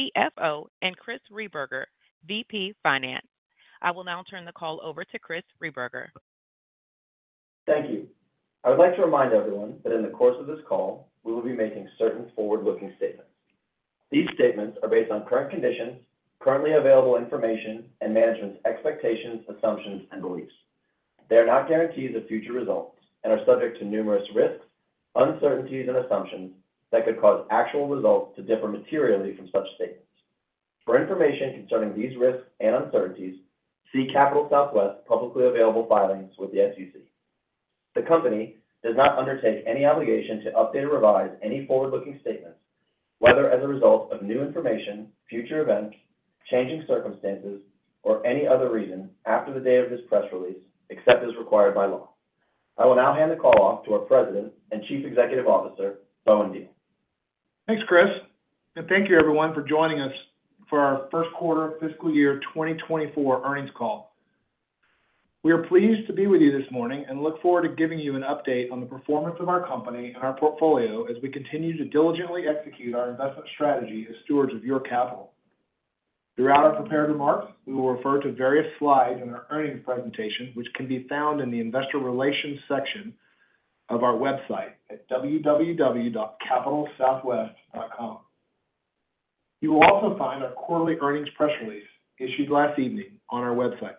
CFO, and Chris Rehberger, VP Finance. I will now turn the call over to Chris Rehberger. Thank you. I would like to remind everyone that in the course of this call, we will be making certain forward-looking statements. These statements are based on current conditions, currently available information, and management's expectations, assumptions, and beliefs. They are not guarantees of future results and are subject to numerous risks, uncertainties, and assumptions that could cause actual results to differ materially from such statements. For information concerning these risks and uncertainties, see Capital Southwest publicly available filings with the SEC. The company does not undertake any obligation to update or revise any forward-looking statements, whether as a result of new information, future events, changing circumstances, or any other reason after the day of this press release, except as required by law. I will now hand the call off to our President and Chief Executive Officer, Bowen Diehl. Thanks, Chris, and thank you everyone for joining us for our first quarter fiscal year 2024 earnings call. We are pleased to be with you this morning and look forward to giving you an update on the performance of our company and our portfolio as we continue to diligently execute our investment strategy as stewards of your capital. Throughout our prepared remarks, we will refer to various slides in our earnings presentation, which can be found in the Investor Relations section of our website at www.capitalsouthwest.com. You will also find our quarterly earnings press release issued last evening on our website.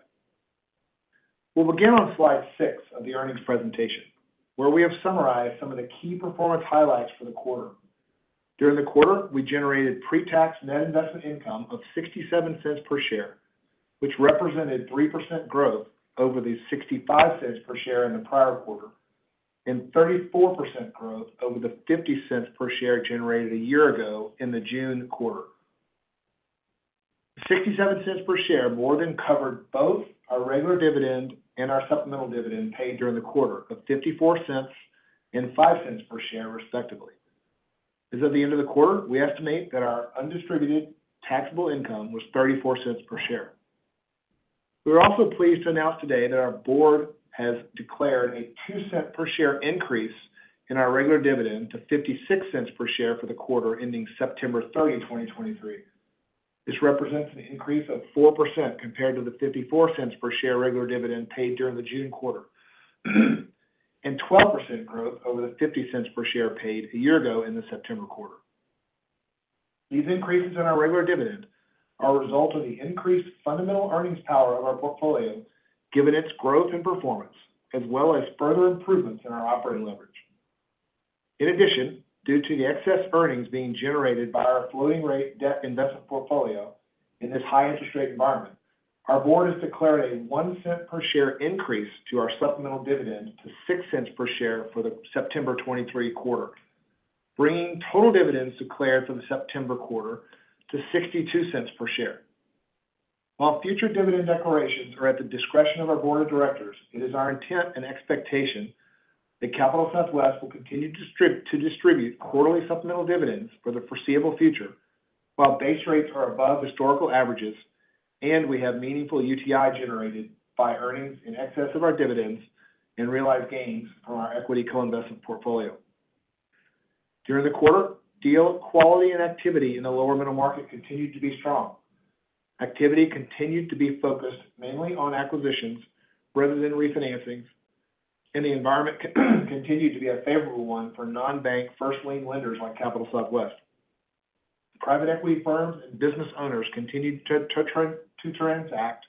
We'll begin on slide 6 of the earnings presentation, where we have summarized some of the key performance highlights for the quarter. During the quarter, we generated pre-tax net investment income of $0.67 per share, which represented 3% growth over the $0.65 per share in the prior quarter, and 34% growth over the $0.50 per share generated a year ago in the June quarter. $0.67 per share more than covered both our regular dividend and our supplemental dividend paid during the quarter of $0.54 and $0.05 per share, respectively. As of the end of the quarter, we estimate that our undistributed taxable income was $0.34 per share. We are also pleased to announce today that our board has declared a $0.02 per share increase in our regular dividend to $0.56 per share for the quarter ending September 30, 2023. This represents an increase of 4% compared to the $0.54 per share regular dividend paid during the June quarter, and 12% growth over the $0.50 per share paid a year ago in the September quarter. These increases in our regular dividend are a result of the increased fundamental earnings power of our portfolio, given its growth and performance, as well as further improvements in our operating leverage. In addition, due to the excess earnings being generated by our floating rate debt investment portfolio in this high interest rate environment, our board has declared a $0.01 per share increase to our supplemental dividend to $0.06 per share for the September 2023 quarter, bringing total dividends declared for the September quarter to $0.62 per share. While future dividend declarations are at the discretion of our board of directors, it is our intent and expectation that Capital Southwest will continue to distribute quarterly supplemental dividends for the foreseeable future, while base rates are above historical averages, and we have meaningful UTI generated by earnings in excess of our dividends and realized gains on our equity co-investment portfolio. During the quarter, deal quality and activity in the lower middle market continued to be strong. Activity continued to be focused mainly on acquisitions rather than refinancings, and the environment continued to be a favorable one for non-bank first lien lenders like Capital Southwest. Private equity firms and business owners continued to transact,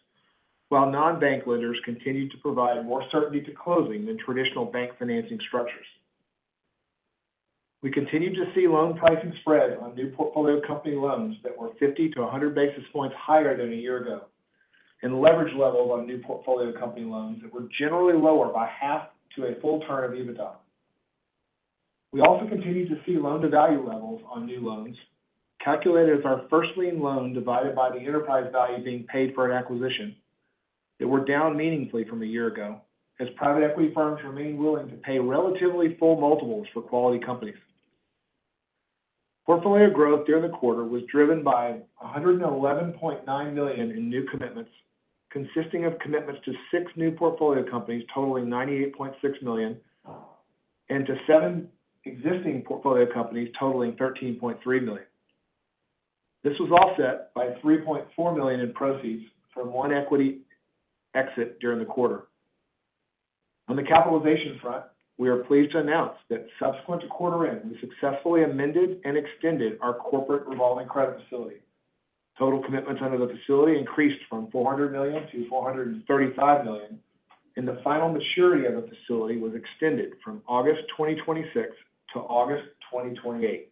while non-bank lenders continued to provide more certainty to closing than traditional bank financing structures. We continued to see loan pricing spread on new portfolio company loans that were 50 to 100 basis points higher than a year ago, and leverage levels on new portfolio company loans that were generally lower by 0.5 to a full turn of EBITDA. We also continued to see loan-to-value levels on new loans, calculated as our first lien loan divided by the enterprise value being paid for an acquisition, that were down meaningfully from a year ago, as private equity firms remain willing to pay relatively full multiples for quality companies. Portfolio growth during the quarter was driven by $111.9 million in new commitments, consisting of commitments to six new portfolio companies totaling $98.6 million, and to seven existing portfolio companies totaling $13.3 million. This was offset by $3.4 million in proceeds from 1 equity exit during the quarter. On the capitalization front, we are pleased to announce that subsequent to quarter end, we successfully amended and extended our corporate revolving credit facility. Total commitments under the facility increased from $400 million to $435 million, and the final maturity of the facility was extended from August 2026 to August 2028.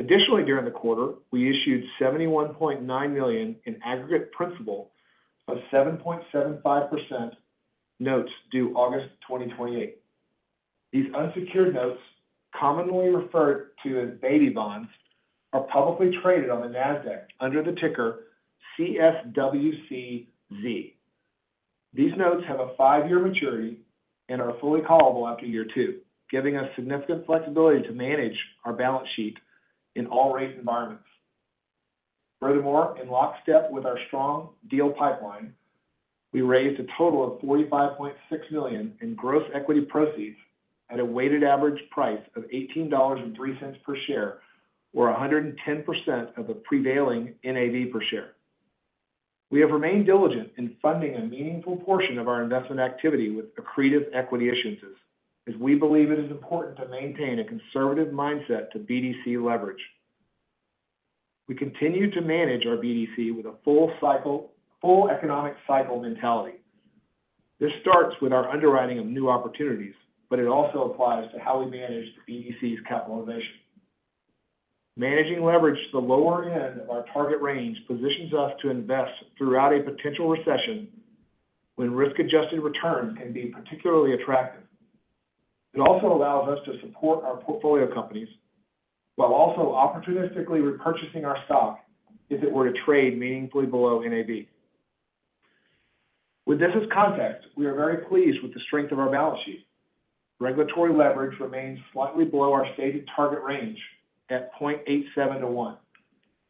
Additionally, during the quarter, we issued $71.9 million in aggregate principal of 7.75% notes due August 2028. These unsecured notes, commonly referred to as baby bonds, are publicly traded on the Nasdaq under the ticker CSWCZ. These notes have a 5-year maturity and are fully callable after year 2, giving us significant flexibility to manage our balance sheet in all rate environments.... Furthermore, in lockstep with our strong deal pipeline, we raised a total of $45.6 million in gross equity proceeds at a weighted average price of $18.03 per share, or 110% of the prevailing NAV per share. We have remained diligent in funding a meaningful portion of our investment activity with accretive equity issuances, as we believe it is important to maintain a conservative mindset to BDC leverage. We continue to manage our BDC with a full economic cycle mentality. This starts with our underwriting of new opportunities, but it also applies to how we manage the BDC's capitalization. Managing leverage to the lower end of our target range positions us to invest throughout a potential recession when risk-adjusted return can be particularly attractive. It also allows us to support our portfolio companies, while also opportunistically repurchasing our stock if it were to trade meaningfully below NAV. With this as context, we are very pleased with the strength of our balance sheet. Regulatory leverage remains slightly below our stated target range at 0.87 to 1,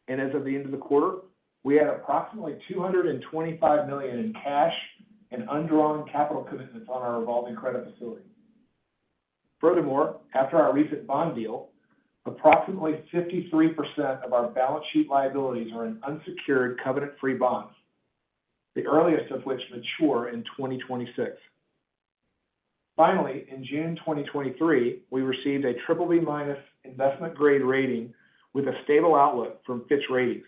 and as of the end of the quarter, we had approximately $225 million in cash and undrawn capital commitments on our revolving credit facility. After our recent bond deal, approximately 53% of our balance sheet liabilities are in unsecured, covenant-free bonds, the earliest of which mature in 2026. Finally, in June 2023, we received a BBB- investment grade rating with a stable outlook from Fitch Ratings.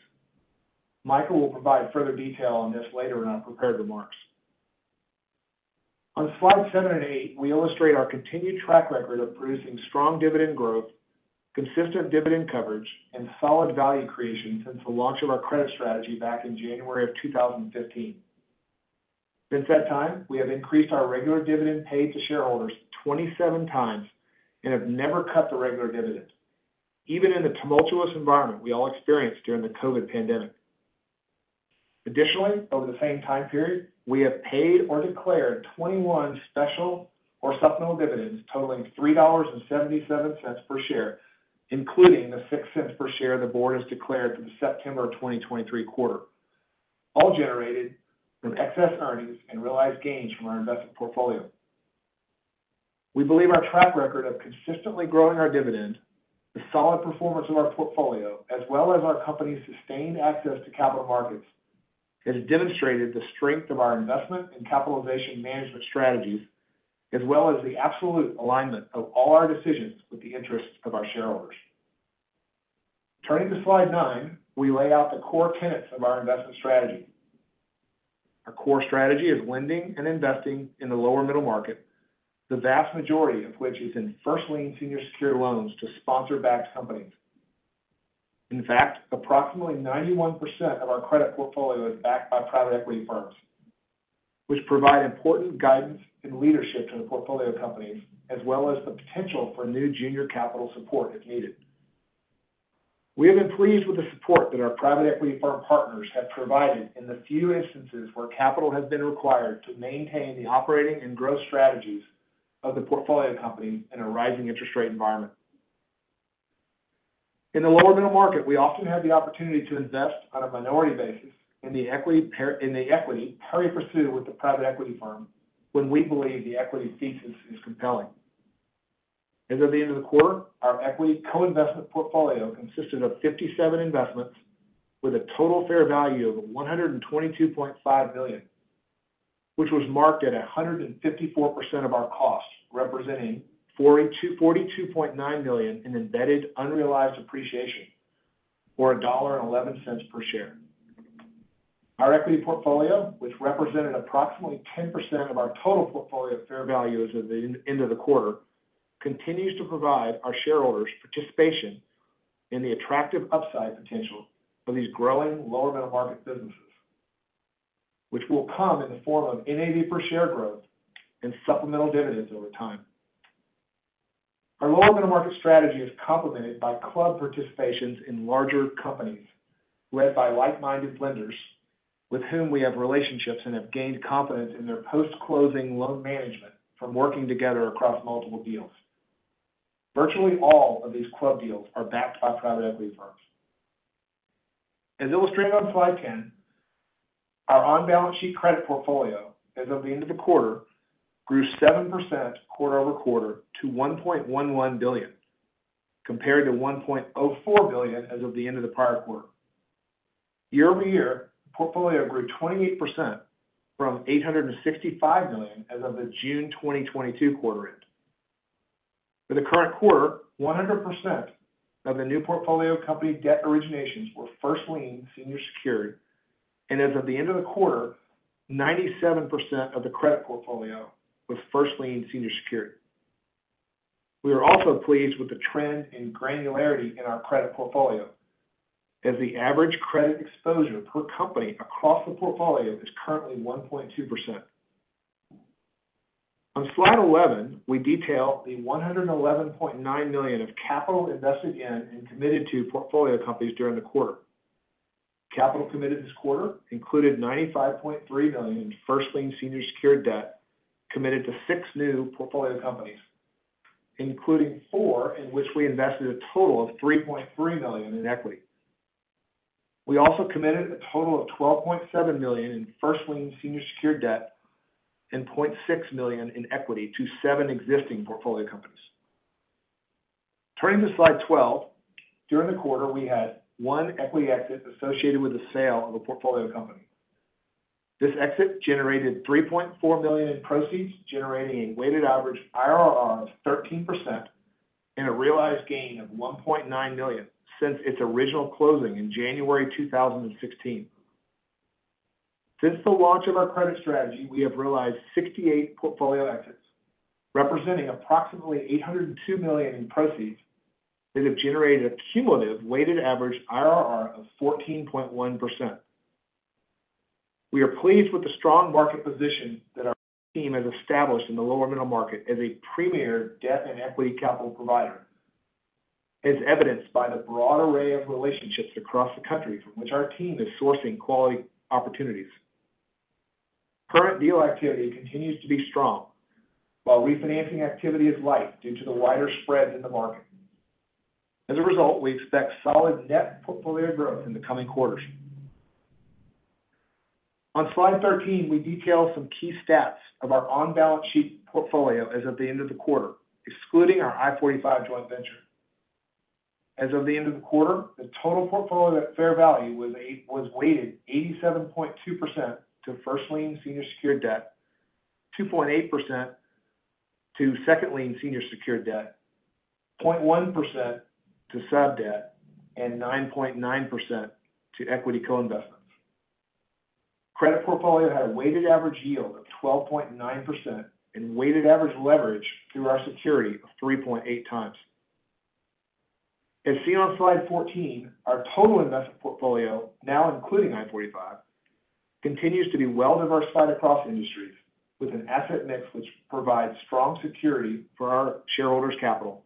Michael will provide further detail on this later in our prepared remarks. On Slides 7 and 8, we illustrate our continued track record of producing strong dividend growth, consistent dividend coverage, and solid value creation since the launch of our credit strategy back in January of 2015. Since that time, we have increased our regular dividend paid to shareholders 27 times and have never cut the regular dividend, even in the tumultuous environment we all experienced during the COVID pandemic. Additionally, over the same time period, we have paid or declared 21 special or supplemental dividends totaling $3.77 per share, including the $0.06 per share the board has declared for the September 2023 quarter, all generated from excess earnings and realized gains from our investment portfolio. We believe our track record of consistently growing our dividend, the solid performance of our portfolio, as well as our company's sustained access to capital markets, has demonstrated the strength of our investment and capitalization management strategies, as well as the absolute alignment of all our decisions with the interests of our shareholders. Turning to Slide nine, we lay out the core tenets of our investment strategy. Our core strategy is lending and investing in the lower middle market, the vast majority of which is in first lien senior secured loans to sponsor-backed companies. In fact, approximately 91% of our credit portfolio is backed by private equity firms, which provide important guidance and leadership to the portfolio companies, as well as the potential for new junior capital support if needed. We have been pleased with the support that our private equity firm partners have provided in the few instances where capital has been required to maintain the operating and growth strategies of the portfolio company in a rising interest rate environment. In the lower middle market, we often have the opportunity to invest on a minority basis in the equity in the equity, pari passu with the private equity firm, when we believe the equity thesis is compelling. As of the end of the quarter, our equity co-investment portfolio consisted of 57 investments with a total fair value of $122.5 million, which was marked at 154% of our cost, representing $42.9 million in embedded unrealized appreciation, or $1.11 per share. Our equity portfolio, which represented approximately 10% of our total portfolio fair value as of the end of the quarter, continues to provide our shareholders participation in the attractive upside potential for these growing lower middle market businesses, which will come in the form of NAV per share growth and supplemental dividends over time. Our lower middle market strategy is complemented by club participations in larger companies led by like-minded lenders with whom we have relationships and have gained confidence in their post-closing loan management from working together across multiple deals. Virtually all of these club deals are backed by private equity firms. As illustrated on Slide 10, our on-balance sheet credit portfolio as of the end of the quarter, grew 7% quarter-over-quarter to $1.11 billion, compared to $1.04 billion as of the end of the prior quarter. Year-over-year, the portfolio grew 28% from $865 million as of the June 2022 quarter-end. For the current quarter, 100% of the new portfolio company debt originations were first lien senior secured, and as of the end of the quarter, 97% of the credit portfolio was first lien senior secured. We are also pleased with the trend in granularity in our credit portfolio, as the average credit exposure per company across the portfolio is currently 1.2%. On Slide 11, we detail the $111.9 million of capital invested in and committed to portfolio companies during the quarter. Capital committed this quarter included $95.3 million in first lien senior secured debt committed to 6 new portfolio companies... including 4, in which we invested a total of $3.3 million in equity. We also committed a total of $12.7 million in first lien senior secured debt and $0.6 million in equity to seven existing portfolio companies. Turning to slide twelve, during the quarter, we had one equity exit associated with the sale of a portfolio company. This exit generated $3.4 million in proceeds, generating a weighted average IRR of 13% and a realized gain of $1.9 million since its original closing in January 2016. Since the launch of our credit strategy, we have realized 68 portfolio exits, representing approximately $802 million in proceeds that have generated a cumulative weighted average IRR of 14.1%. We are pleased with the strong market position that our team has established in the lower middle market as a premier debt and equity capital provider, as evidenced by the broad array of relationships across the country from which our team is sourcing quality opportunities. Current deal activity continues to be strong, while refinancing activity is light due to the wider spreads in the market. As a result, we expect solid net portfolio growth in the coming quarters. On slide 13, we detail some key stats of our on-balance sheet portfolio as of the end of the quarter, excluding our I-45 joint venture. As of the end of the quarter, the total portfolio at fair value was weighted 87.2% to first lien senior secured debt, 2.8% to second lien senior secured debt, 0.1% to sub debt, and 9.9% to equity co-investments. Credit portfolio had a weighted average yield of 12.9% and weighted average leverage through our security of 3.8x. As seen on slide 14, our total investment portfolio, now including I-45, continues to be well diversified across industries with an asset mix which provides strong security for our shareholders' capital.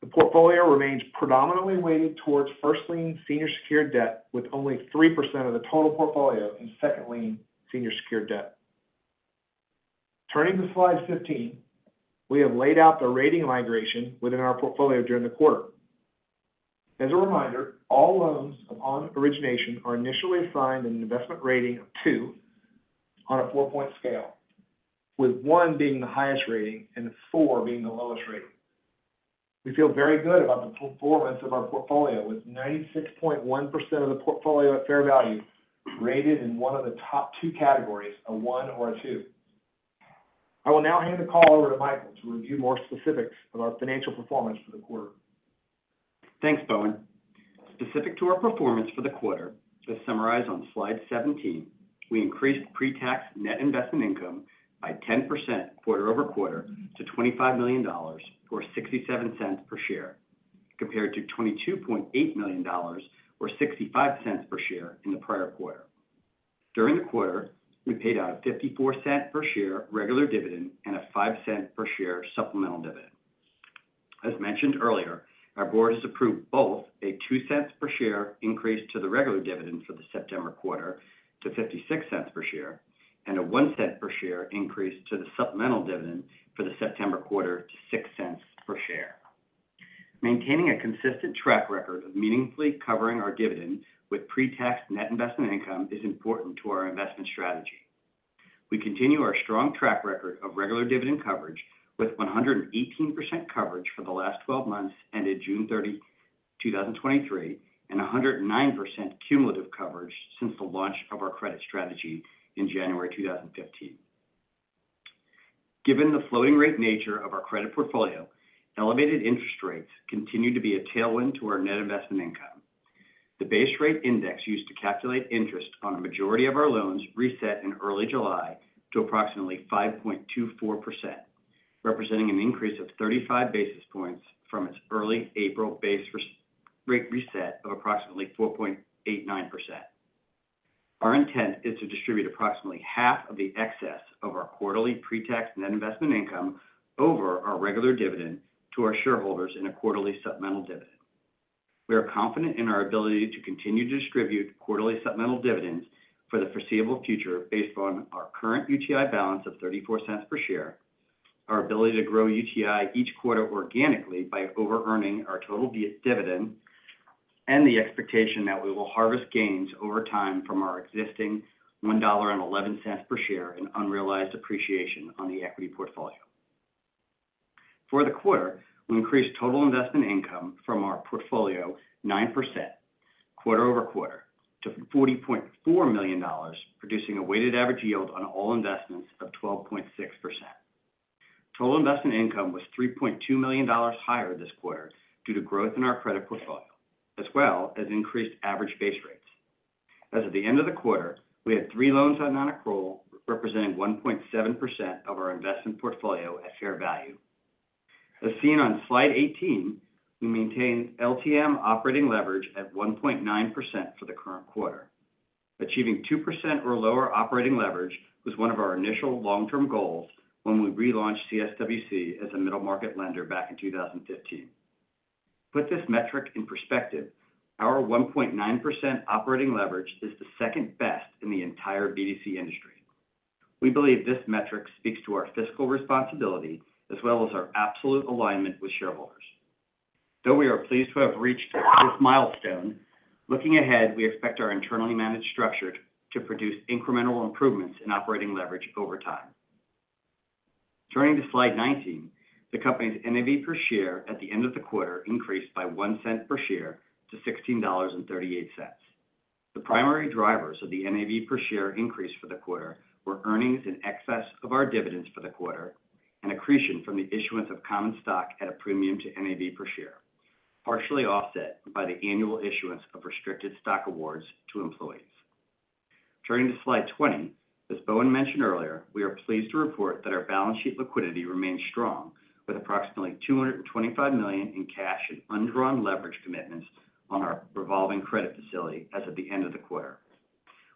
The portfolio remains predominantly weighted towards first lien senior secured debt, with only 3% of the total portfolio in second lien senior secured debt. Turning to slide 15, we have laid out the rating migration within our portfolio during the quarter. As a reminder, all loans upon origination are initially assigned an investment rating of two on a four-point scale, with one being the highest rating and four being the lowest rating. We feel very good about the performance of our portfolio, with 96.1% of the portfolio at fair value rated in one of the top two categories, a one or a two. I will now hand the call over to Michael to review more specifics of our financial performance for the quarter. Thanks, Bowen. Specific to our performance for the quarter, as summarized on slide 17, we increased pretax net investment income by 10% quarter-over-quarter to $25 million, or $0.67 per share, compared to $22.8 million or $0.65 per share in the prior quarter. During the quarter, we paid out a $0.54 per share regular dividend and a $0.05 per share supplemental dividend. As mentioned earlier, our board has approved both a $0.02 per share increase to the regular dividend for the September quarter to $0.56 per share, and a $0.01 per share increase to the supplemental dividend for the September quarter to $0.06 per share. Maintaining a consistent track record of meaningfully covering our dividend with pretax net investment income is important to our investment strategy. We continue our strong track record of regular dividend coverage with 118% coverage for the last 12 months, ended June 30, 2023, and 109% cumulative coverage since the launch of our credit strategy in January 2015. Given the floating rate nature of our credit portfolio, elevated interest rates continue to be a tailwind to our net investment income. The base rate index used to calculate interest on a majority of our loans reset in early July to approximately 5.24%, representing an increase of 35 basis points from its early April base rate reset of approximately 4.89%. Our intent is to distribute approximately half of the excess of our quarterly pretax net investment income over our regular dividend to our shareholders in a quarterly supplemental dividend. We are confident in our ability to continue to distribute quarterly supplemental dividends for the foreseeable future based on our current UTI balance of $0.34 per share, our ability to grow UTI each quarter organically by overearning our total dividend, and the expectation that we will harvest gains over time from our existing $1.11 per share in unrealized appreciation on the equity portfolio. For the quarter, we increased total investment income from our portfolio 9% quarter-over-quarter to $40.4 million, producing a weighted average yield on all investments of 12.6%. Total investment income was $3.2 million higher this quarter due to growth in our credit portfolio, as well as increased average base rates. As of the end of the quarter, we had 3 loans on nonaccrual, representing 1.7% of our investment portfolio at fair value. As seen on Slide 18, we maintained LTM operating leverage at 1.9% for the current quarter. Achieving 2% or lower operating leverage was one of our initial long-term goals when we relaunched CSWC as a middle-market lender back in 2015. Put this metric in perspective, our 1.9% operating leverage is the second best in the entire BDC industry. We believe this metric speaks to our fiscal responsibility, as well as our absolute alignment with shareholders. Though we are pleased to have reached this milestone, looking ahead, we expect our internally managed structure to produce incremental improvements in operating leverage over time. Turning to Slide 19, the company's NAV per share at the end of the quarter increased by $0.01 per share to $16.38. The primary drivers of the NAV per share increase for the quarter were earnings in excess of our dividends for the quarter, and accretion from the issuance of common stock at a premium to NAV per share, partially offset by the annual issuance of restricted stock awards to employees. Turning to Slide 20, as Bowen mentioned earlier, we are pleased to report that our balance sheet liquidity remains strong, with approximately $225 million in cash and undrawn leverage commitments on our revolving credit facility as of the end of the quarter.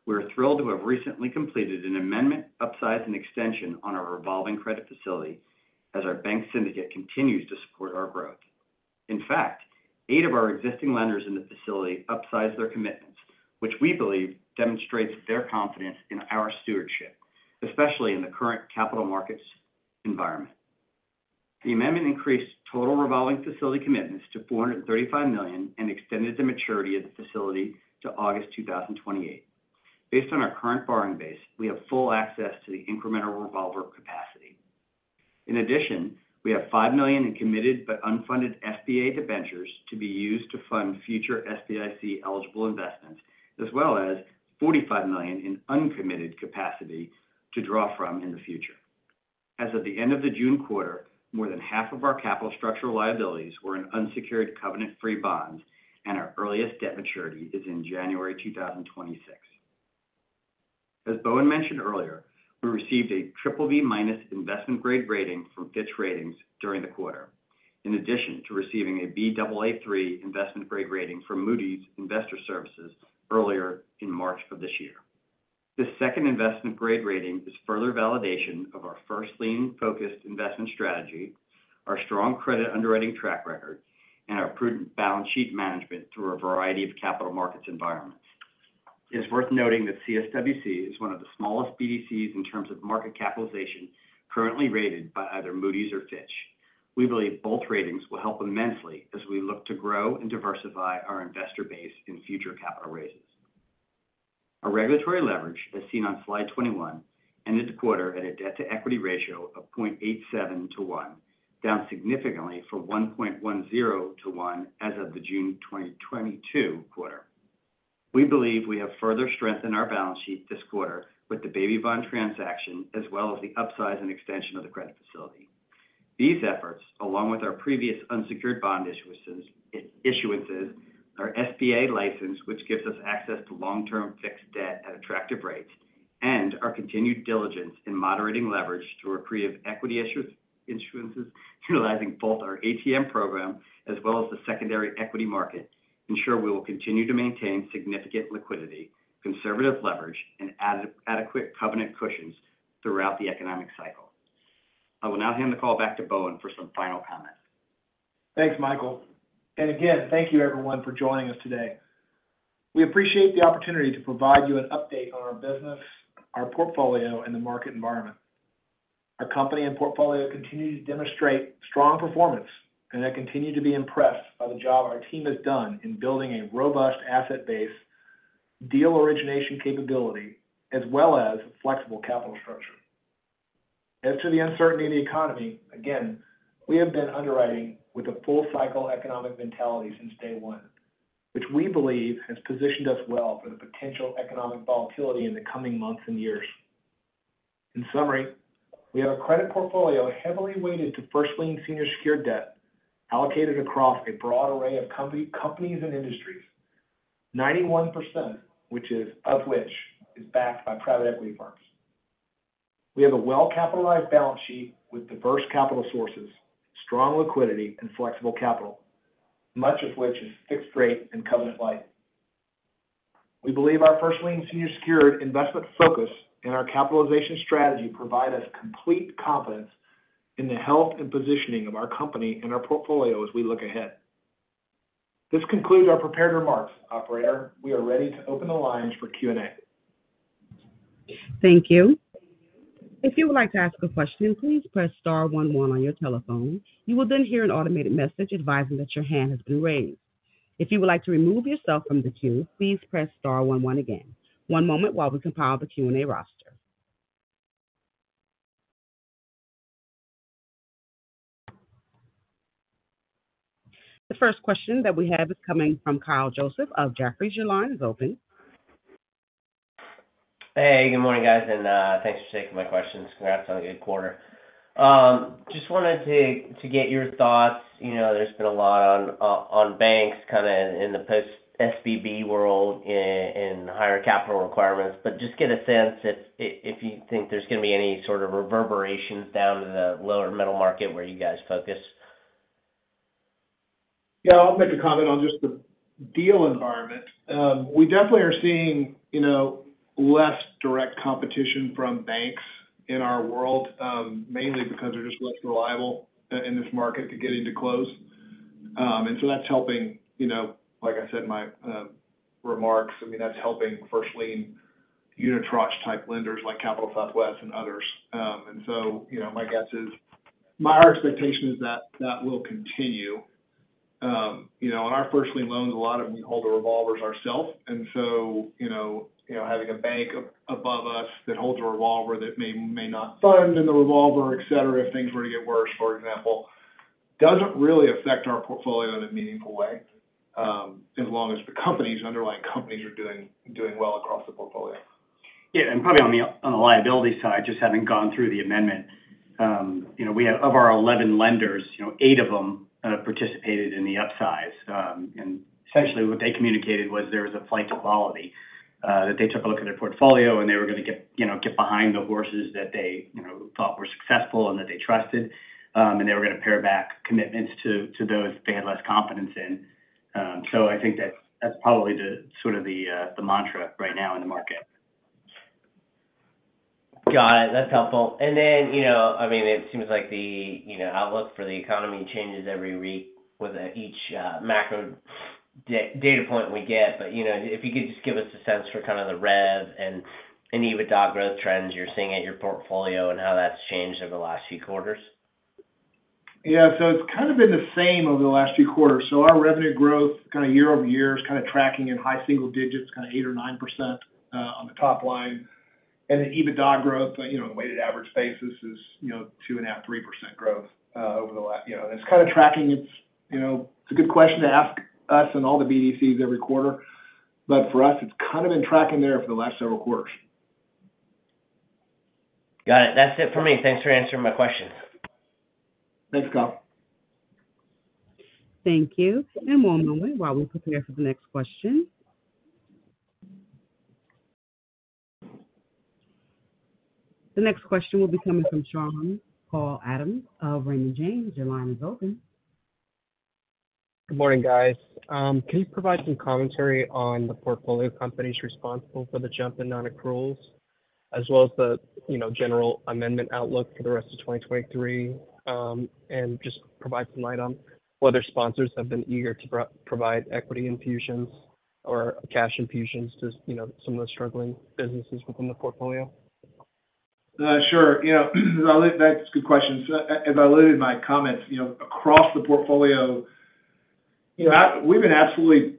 We're thrilled to have recently completed an amendment, upsize, and extension on our revolving credit facility as our bank syndicate continues to support our growth. In fact, 8 of our existing lenders in the facility upsized their commitments, which we believe demonstrates their confidence in our stewardship, especially in the current capital markets environment. The amendment increased total revolving facility commitments to $435 million and extended the maturity of the facility to August 2028. Based on our current borrowing base, we have full access to the incremental revolver capacity. In addition, we have $5 million in committed but unfunded SBA debentures to be used to fund future SBIC-eligible investments, as well as $45 million in uncommitted capacity to draw from in the future. As of the end of the June quarter, more than half of our capital structural liabilities were in unsecured, covenant-free bonds, and our earliest debt maturity is in January 2026. As Bowen mentioned earlier, we received a BBB- investment-grade rating from Fitch Ratings during the quarter, in addition to receiving a Baa3 investment-grade rating from Moody's Investors Service earlier in March of this year. This second investment grade rating is further validation of our first lien-focused investment strategy, our strong credit underwriting track record, and our prudent balance sheet management through a variety of capital markets environments. It is worth noting that CSWC is one of the smallest BDCs in terms of market capitalization currently rated by either Moody's or Fitch. We believe both ratings will help immensely as we look to grow and diversify our investor base in future capital raises. Our regulatory leverage, as seen on Slide 21, ended the quarter at a debt-to-equity ratio of 0.87 to 1, down significantly from 1.10 to 1 as of the June 2022 quarter. We believe we have further strengthened our balance sheet this quarter with the baby bond transaction, as well as the upsize and extension of the credit facility. These efforts, along with our previous unsecured bond issuances, our SBA license, which gives us access to long-term fixed debt at attractive rates, and our continued diligence in moderating leverage through accretive equity issuances, utilizing both our ATM program as well as the secondary equity market, ensure we will continue to maintain significant liquidity, conservative leverage, and adequate covenant cushions throughout the economic cycle. I will now hand the call back to Bowen for some final comments. Thanks, Michael. Again, thank you everyone for joining us today. We appreciate the opportunity to provide you an update on our business, our portfolio, and the market environment. Our company and portfolio continue to demonstrate strong performance, and I continue to be impressed by the job our team has done in building a robust asset base, deal origination capability, as well as flexible capital structure. As to the uncertainty in the economy, again, we have been underwriting with a full cycle economic mentality since day 1, which we believe has positioned us well for the potential economic volatility in the coming months and years. In summary, we have a credit portfolio heavily weighted to first lien senior secured debt, allocated across a broad array of company, companies and industries, 91%, of which is backed by private equity firms. We have a well-capitalized balance sheet with diverse capital sources, strong liquidity and flexible capital, much of which is fixed rate and covenant light. We believe our first lien senior secured investment focus and our capitalization strategy provide us complete confidence in the health and positioning of our company and our portfolio as we look ahead. This concludes our prepared remarks. Operator, we are ready to open the lines for Q&A. Thank you. If you would like to ask a question, please press star one one on your telephone. You will then hear an automated message advising that your hand has been raised. If you would like to remove yourself from the queue, please press star one one again. One moment while we compile the Q&A roster. The first question that we have is coming from Kyle Joseph of Jefferies. Your line is open. Hey, good morning, guys, and thanks for taking my questions. Congrats on a good quarter. Just wanted to get your thoughts. You know, there's been a lot on banks kind of in the post-SVB world in higher capital requirements, but just get a sense if you think there's going to be any sort of reverberations down to the lower middle market where you guys focus? Yeah, I'll make a comment on just the deal environment, we definitely are seeing, you know, less direct competition from banks in our world, mainly because they're just less reliable in this market to get into close. So that's helping, you know, like I said, in my remarks, I mean, that's helping first lien unitranche-type lenders like Capital Southwest and others. So, you know, my guess is, our expectation is that that will continue. You know, on our first lien loans, a lot of them, we hold the revolvers ourself, and so, you know, you know, having a bank above us that holds a revolver that may, may not fund in the revolver, et cetera, if things were to get worse, for example, doesn't really affect our portfolio in a meaningful way, as long as the companies, underlying companies are doing, doing well across the portfolio. Yeah, probably on the, on the liability side, just having gone through the amendment, you know, we have, of our 11 lenders, you know, 8 of them participated in the upsize. Essentially what they communicated was there was a flight to quality, that they took a look at their portfolio and they were gonna get, you know, get behind the horses that they, you know, thought were successful and that they trusted, and they were gonna pare back commitments to, to those they had less confidence in. I think that's, that's probably the, sort of the, the mantra right now in the market. Got it. That's helpful. Then, you know, I mean, it seems like the, you know, outlook for the economy changes every week with each macro data point we get. You know, if you could just give us a sense for kind of the rev and EBITDA growth trends you're seeing at your portfolio and how that's changed over the last few quarters. Yeah. It's kind of been the same over the last few quarters. Our revenue growth, kind of year-over-year, is kind of tracking in high single digits, kind of 8% or 9% on the top line. The EBITDA growth, you know, in a weighted average basis is, you know, 2.5%-3% growth over the last. You know, it's kind of tracking its, you know, it's a good question to ask us and all the BDCs every quarter, but for us, it's kind of been tracking there for the last several quarters. Got it. That's it for me. Thanks for answering my questions. Thanks, Kyle. Thank you. One moment while we prepare for the next question. The next question will be coming from Sean-Paul Adams of Raymond James. Your line is open. Good morning, guys. Can you provide some commentary on the portfolio companies responsible for the jump in nonaccruals, as well as the, you know, general amendment outlook for the rest of 2023? Just provide some light on whether sponsors have been eager to provide equity infusions or cash infusions to, you know, some of the struggling businesses within the portfolio. Sure. You know, that's a good question. As I alluded in my comments, you know, across the portfolio, you know, we've been absolutely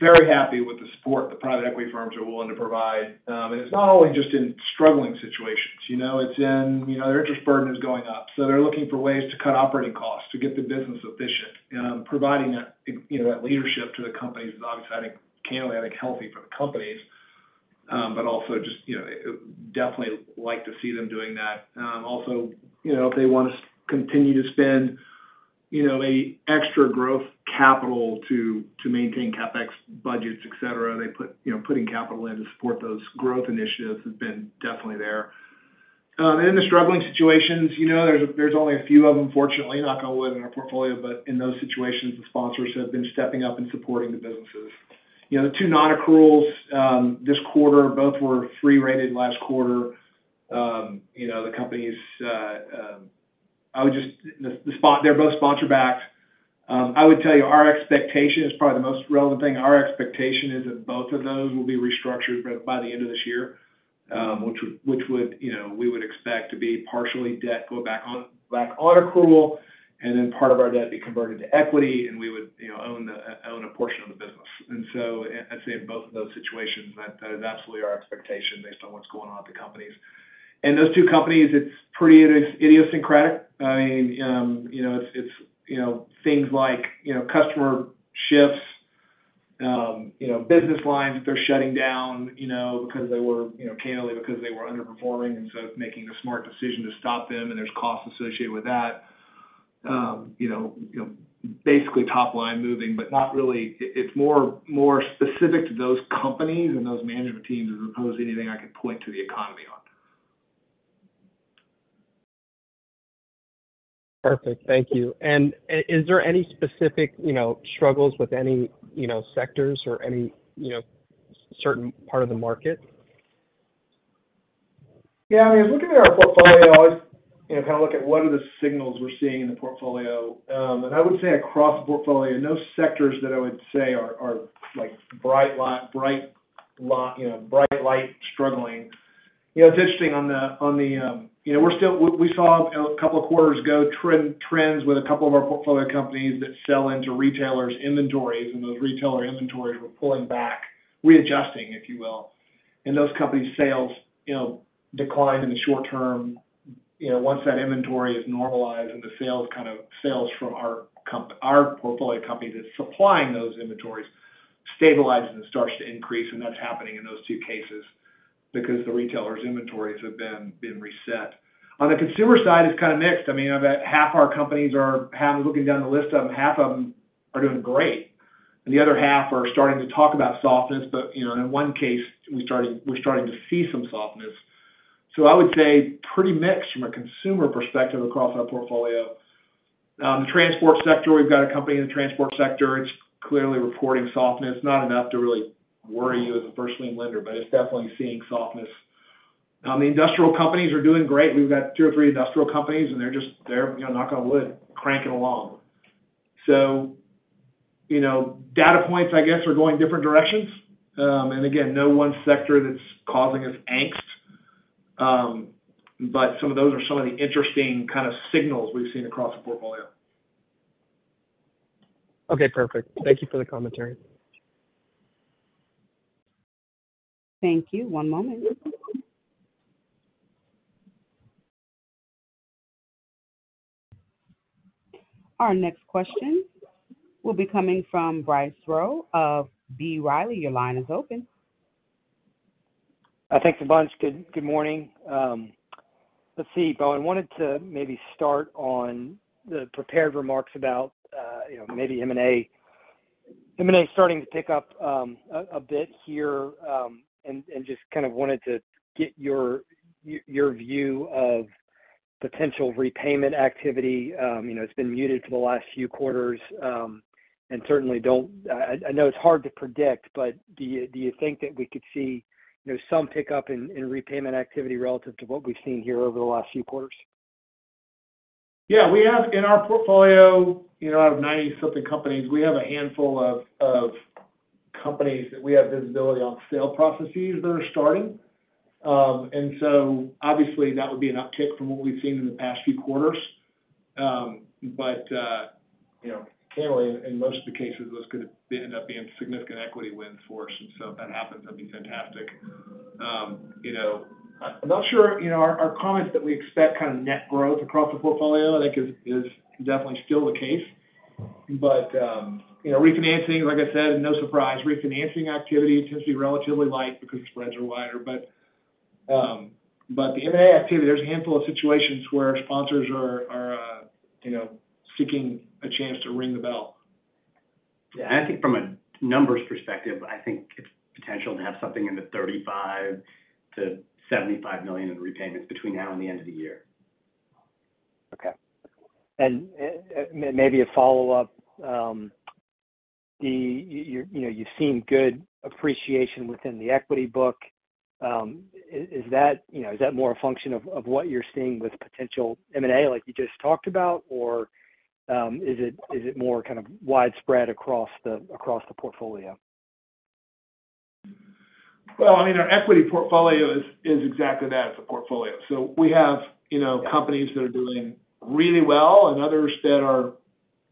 very happy with the support the private equity firms are willing to provide. It's not only just in struggling situations, you know, it's in, you know, their interest burden is going up, so they're looking for ways to cut operating costs to get the business efficient. Providing, you know, that leadership to the companies is obviously, clearly healthy for the companies, also just, you know, definitely like to see them doing that. Also, you know, if they want to continue to spend, you know, a extra growth capital to, to maintain CapEx budgets, et cetera, they put, you know, putting capital in to support those growth initiatives has been definitely there. In the struggling situations, you know, there's, there's only a few of them, fortunately, not going to win in our portfolio, but in those situations, the sponsors have been stepping up and supporting the businesses. You know, the two nonaccruals, this quarter, both were three-rated last quarter. You know, the company's, they're both sponsor-backed. I would tell you, our expectation is probably the most relevant thing. Our expectation is that both of those will be restructured by, by the end of this year, which would, which would, you know, we would expect to be partially debt, go back on, back on accrual, and then part of our debt be converted to equity, and we would, you know, own a portion of the business. So I'd say in both of those situations, that, that is absolutely our expectation based on what's going on with the companies. Those two companies, it's pretty idiosyncratic. I mean, you know, it's, it's, you know, things like, you know, customer shifts, you know, business lines that they're shutting down, you know, because they were, you know, clearly because they were underperforming and so making a smart decision to stop them, and there's costs associated with that. You know, you know, basically top line moving, but not really, it's more, more specific to those companies and those management teams, as opposed to anything I could point to the economy on. Perfect. Thank you. Is there any specific, you know, struggles with any, you know, sectors or any, you know, certain part of the market? Yeah, I mean, looking at our portfolio, I, you know, kind of look at what are the signals we're seeing in the portfolio. I would say across the portfolio, no sectors that I would say are, are, like, you know, bright light struggling. You know, it's interesting on the, on the. You know, we saw a couple of quarters ago, trends with a couple of our portfolio companies that sell into retailers' inventories, and those retailer inventories were pulling back, readjusting, if you will. Those companies' sales, you know, declined in the short term. You know, once that inventory is normalized and the sales kind of, sales from our portfolio companies is supplying those inventories, stabilizes and starts to increase, and that's happening in those two cases because the retailers' inventories have been, been reset. On the consumer side, it's kind of mixed. I mean, about half our companies are, half looking down the list of them, half of them are doing great, and the other half are starting to talk about softness. You know, in one case, we're starting, we're starting to see some softness. I would say pretty mixed from a consumer perspective across our portfolio. The transport sector, we've got a company in the transport sector. It's clearly reporting softness. Not enough to really worry you as a first lien lender, but it's definitely seeing softness. The industrial companies are doing great. We've got two or three industrial companies, and they're just, they're, you know, knock on wood, cranking along. You know, data points, I guess, are going different directions. And again, no one sector that's causing us angst. Some of those are some of the interesting kind of signals we've seen across the portfolio. Okay, perfect. Thank you for the commentary. Thank you. One moment. Our next question will be coming from Bryce Rowe of B. Riley. Your line is open. Thanks a bunch. Good, good morning. Let's see, Bowen, wanted to maybe start on the prepared remarks about, you know, maybe M&A. M&A is starting to pick up a bit here, and just kind of wanted to get your, y- your view of potential repayment activity. You know, it's been muted for the last few quarters, and certainly don't-- I, I know it's hard to predict, but do you, do you think that we could see, you know, some pickup in, in repayment activity relative to what we've seen here over the last few quarters? We have in our portfolio, you know, out of 90-something companies, we have a handful of companies that we have visibility on sale processes that are starting. Obviously, that would be an uptick from what we've seen in the past few quarters. You know, generally, in most of the cases, those could end up being significant equity wins for us, and so if that happens, that'd be fantastic. You know, I'm not sure, you know, our, our comment is that we expect kind of net growth across the portfolio, I think is definitely still the case. You know, refinancing, like I said, no surprise. Refinancing activity tends to be relatively light because the spreads are wider. The M&A activity, there's a handful of situations where sponsors are, you know, seeking a chance to ring the bell. Yeah, I think from a numbers perspective, I think it's potential to have something in the $35 million-$75 million in repayments between now and the end of the year. Okay. Maybe a follow-up. The, you know, you've seen good appreciation within the equity book. Is, is that, you know, is that more a function of, of what you're seeing with potential M&A like you just talked about? Is it, is it more kind of widespread across the, across the portfolio? Well, I mean, our equity portfolio is, is exactly that. It's a portfolio. We have, you know, companies that are doing really well and others that are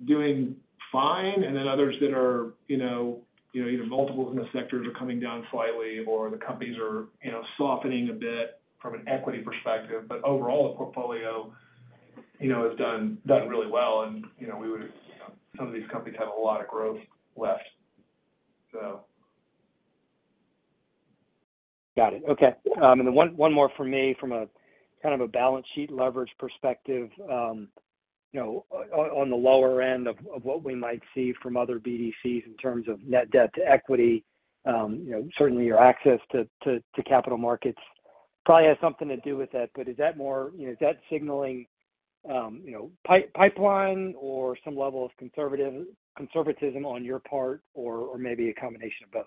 doing fine, and then others that are, you know, you know, either multiples in the sectors are coming down slightly or the companies are, you know, softening a bit from an equity perspective. Overall, the portfolio, you know, has done, done really well and, you know, we would, you know, some of these companies have a lot of growth left, so. Got it. Okay, one, one more for me from a kind of a balance sheet leverage perspective. You know, on the lower end of, of what we might see from other BDCs in terms of net debt to equity, you know, certainly your access to, to, to capital markets probably has something to do with that, but is that more, you know, is that signaling, you know, pipeline or some level of conservatism on your part, or, or maybe a combination of both?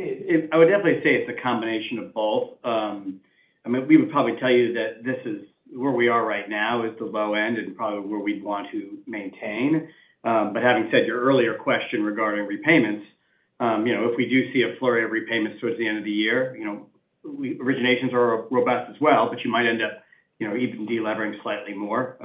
I would definitely say it's a combination of both. I mean, we would probably tell you that this is where we are right now, is the low end and probably where we'd want to maintain. Having said your earlier question regarding repayments, you know, if we do see a flurry of repayments towards the end of the year, you know, originations are robust as well, but you might end up, you know, even delevering slightly more.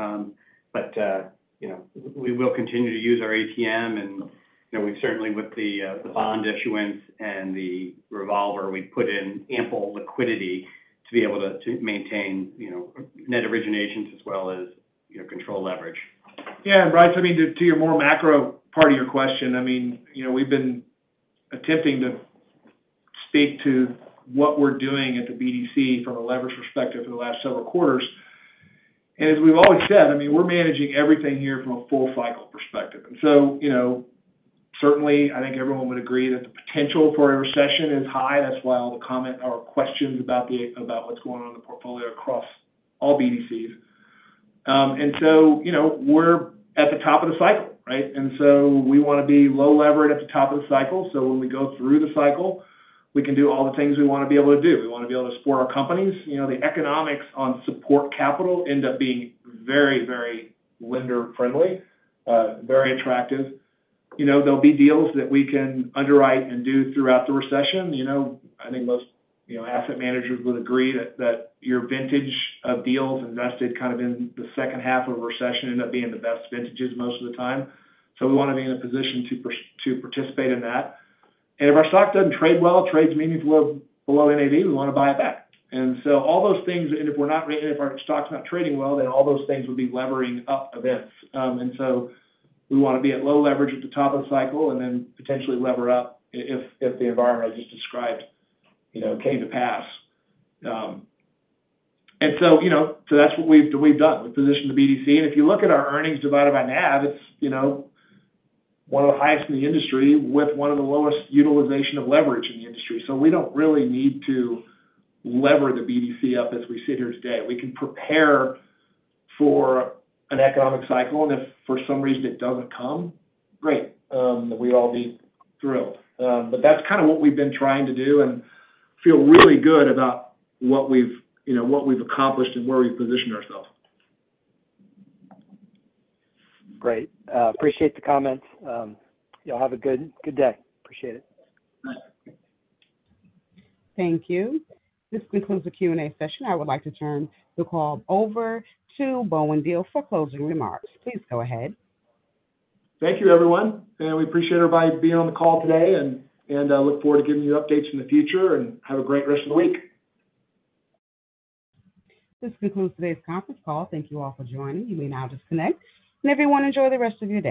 You know, we will continue to use our ATM, and, you know, we certainly with the, the bond issuance and the revolver, we've put in ample liquidity to be able to, to maintain, you know, net originations as well as, you know, control leverage. Yeah, Bryce, I mean, to, to your more macro part of your question, I mean, you know, we've been attempting to speak to what we're doing at the BDC from a leverage perspective for the last several quarters. As we've always said, I mean, we're managing everything here from a full cycle perspective. You know, certainly, I think everyone would agree that the potential for a recession is high. That's why all the comment or questions about what's going on in the portfolio across all BDCs. You know, we're at the top of the cycle, right? We wanna be low leverage at the top of the cycle, so when we go through the cycle, we can do all the things we wanna be able to do. We wanna be able to support our companies. You know, the economics on support capital end up being very, very lender-friendly, very attractive. You know, there'll be deals that we can underwrite and do throughout the recession. You know, I think most, you know, asset managers would agree that, that your vintage of deals invested kind of in the second half of a recession, end up being the best vintages most of the time. We wanna be in a position to participate in that. If our stock doesn't trade well, trades maybe below, below NAV, we wanna buy it back. All those things... If we're not, if our stock's not trading well, then all those things would be levering up events. We wanna be at low leverage at the top of the cycle and then potentially lever up if, if the environment I just described, you know, came to pass. So, you know, so that's what we've, we've done. We've positioned the BDC, and if you look at our earnings divided by NAV, it's, you know, one of the highest in the industry with one of the lowest utilization of leverage in the industry. We don't really need to lever the BDC up as we sit here today. We can prepare for an economic cycle, and if for some reason it doesn't come, great, we'd all be thrilled. That's kind of what we've been trying to do and feel really good about what we've, you know, what we've accomplished and where we've positioned ourselves. Great. Appreciate the comments. Y'all have a good, good day. Appreciate it. Bye. Thank you. This concludes the Q&A session. I would like to turn the call over to Bowen Diehl for closing remarks. Please go ahead. Thank you, everyone, and we appreciate everybody being on the call today and look forward to giving you updates in the future, and have a great rest of the week. This concludes today's conference call. Thank you all for joining. You may now disconnect, and everyone enjoy the rest of your day.